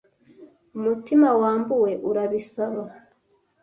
umutima wambuwe urabisaba